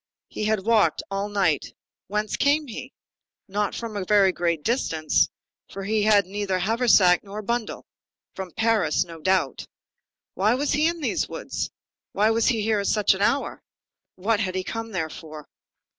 He had walked all night. Whence came he? Not from a very great distance; for he had neither haversack, nor bundle. From Paris, no doubt. Why was he in these woods? why was he there at such an hour? what had he come there for?